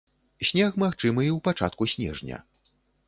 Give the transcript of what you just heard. Снег магчымы і ў пачатку снежня.